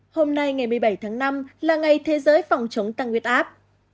hôm nay ngày một mươi bảy tháng năm là ngày thế giới phòng chống tăng huyết áp